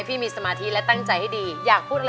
ทำไมถึงร้องไห้ถามก่อน